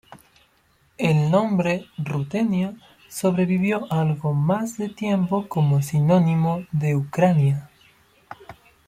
El nombre "Rutenia" sobrevivió algo más de tiempo como sinónimo de Ucrania.